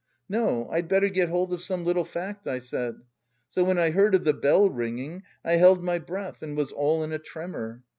'No, I'd better get hold of some little fact' I said. So when I heard of the bell ringing, I held my breath and was all in a tremor.